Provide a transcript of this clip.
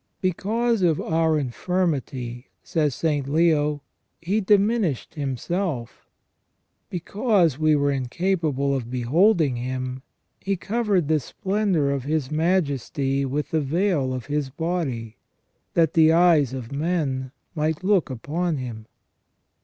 " Because of our infirmity," says St. Leo, "He diminished Himself; because we were in capable of beholding Him, He covered the splendour of His majesty with the veil of His body, that the eyes of men might look upon Him."